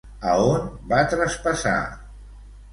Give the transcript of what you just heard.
A on va traspassar?